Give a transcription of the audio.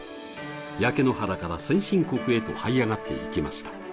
焼け野原から先進国へとはい上がっていきました。